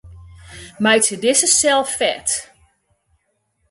Meitsje dizze sel fet.